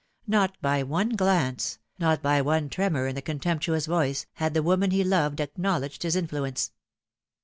Not by one glance, not by one tremor in the contemptuous voice, had the woman he loved acknow ledged his influence.